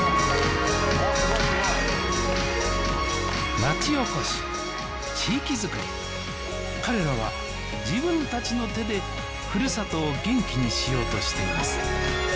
まちおこし地域づくり彼らは自分たちの手でふるさとを元気にしようとしています